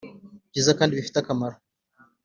byiza kandi bifite akamaro